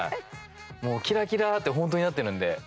もうキラキラって本当になってるんで。